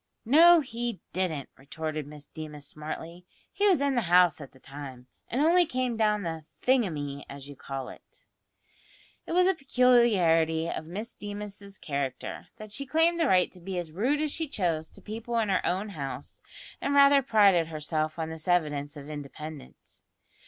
"No, he didn't," retorted Miss Deemas smartly; "he was in the house at the time, and only came down the `thingumy,' as you call it!" It was a peculiarity of Miss Deemas's character, that she claimed the right to be as rude as she chose to people in her own house, and rather prided herself on this evidence of independence.